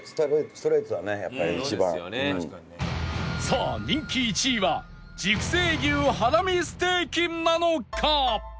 さあ人気１位は熟成牛ハラミステーキなのか？